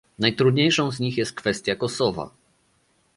Najtrudniejszą z nich jest kwestia Kosowa